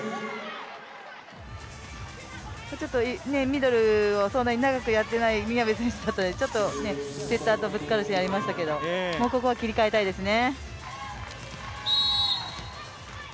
ミドルをそんなに長くやってない宮部選手だとちょっとセッターとぶつかるシーンありましたけどここは切り替えたいですね。